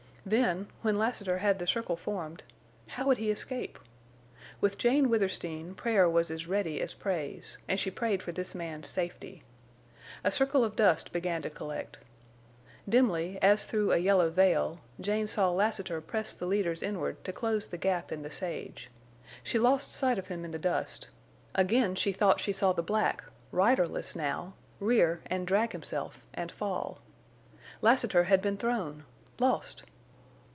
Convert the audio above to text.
Then, when Lassiter had the circle formed, how would he escape? With Jane Withersteen prayer was as ready as praise; and she prayed for this man's safety. A circle of dust began to collect. Dimly, as through a yellow veil, Jane saw Lassiter press the leaders inward to close the gap in the sage. She lost sight of him in the dust, again she thought she saw the black, riderless now, rear and drag himself and fall. Lassiter had been thrown—lost!